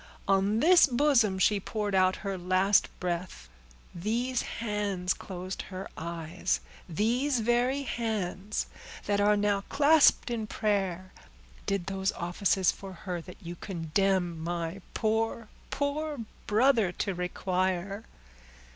On this bosom she poured out her last breath; these hands closed her eyes; these very hands, that are now clasped in prayer, did those offices for her that you condemn my poor, poor brother, to require."